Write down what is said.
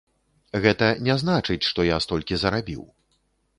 Гэта не значыць, што я столькі зарабіў.